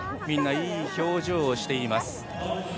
みんないい表情をしています。